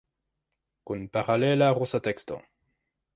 Kun paralela rusa teksto.